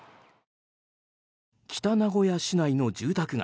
北名古屋市内の住宅街。